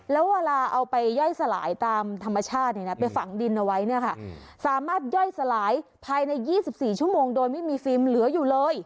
แล้วเวลาเอาไปย่อยสลายตามธรรมชาติไปฝังดินเอาไว้เนี่ยค่ะสามารถย่อยสลายภายใน๒๔ชั่วโมงโดยไม่มีฟิล์มเหลืออยู่เลย